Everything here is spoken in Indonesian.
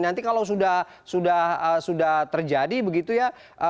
nanti kalau sudah terjadi begitu ya